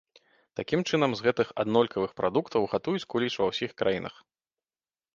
Такім чынам з гэтых аднолькавых прадуктаў гатуюць куліч ва ўсіх краінах.